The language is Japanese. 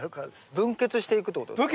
分けつしていくってことですか？